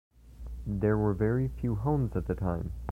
There were very few homes at the time.